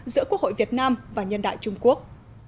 giữa quốc hội việt nam và nhân đại trung quốc